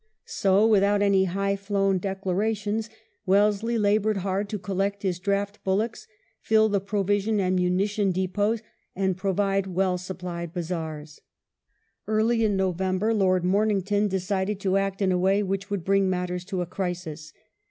So, without any high flown declarations, Wellesley laboured hard to collect his draught bullocks, fill the provision and muni tion depots, and provide well supplied bazaars. Early in November Lord Momington decided to act in a way which would bring matters to a crisis.